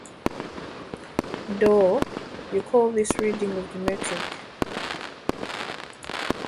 Doe you call this reading of Geometric?